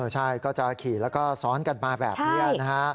ใช่ก็จะขี่แล้วก็ซ้อนกันมาแบบนี้นะฮะ